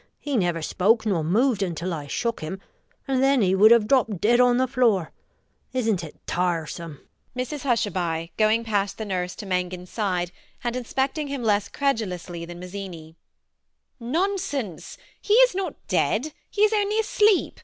He never spoke nor moved until I shook him; and then he would have dropped dead on the floor. Isn't it tiresome? MRS HUSHABYE [going past the nurse to Mangan's side, and inspecting him less credulously than Mazzini]. Nonsense! he is not dead: he is only asleep.